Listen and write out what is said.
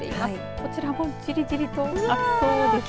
こちらもじりじりと暑そうですね。